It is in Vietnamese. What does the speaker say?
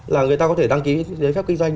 là người ta có thể đăng ký giấy phép kinh doanh